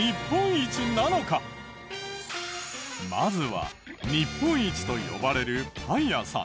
まずは日本一と呼ばれるパン屋さん。